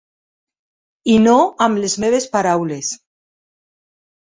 I no amb les meves paraules.